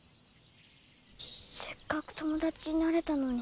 せっかく友達になれたのに。